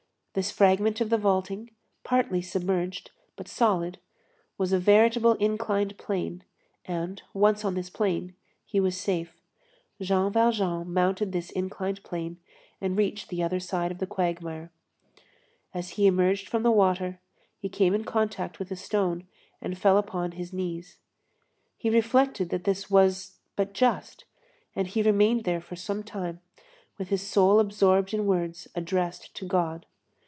This fragment of the vaulting, partly submerged, but solid, was a veritable inclined plane, and, once on this plane, he was safe. Jean Valjean mounted this inclined plane and reached the other side of the quagmire. As he emerged from the water, he came in contact with a stone and fell upon his knees. He reflected that this was but just, and he remained there for some time, with his soul absorbed in words addressed to God.